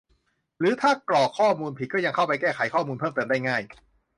หรือถ้ากรอกข้อมูลผิดก็ยังเข้าไปแก้ไขข้อมูลเพิ่มเติมได้ง่าย